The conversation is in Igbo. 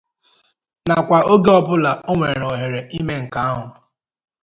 nakwa oge ọbụla o nwèrè ohèrè ime nke ahụ